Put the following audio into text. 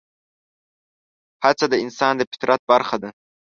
هڅه د انسان د فطرت برخه ده.